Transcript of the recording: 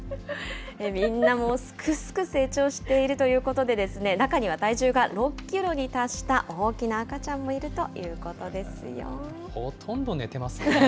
みんなすくすく成長しているということで、中には体重が６キロに達した大きな赤ちゃんもいるということですよ。